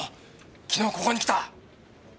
昨日ここに来た。